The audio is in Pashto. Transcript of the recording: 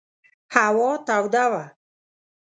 هوا توده وه.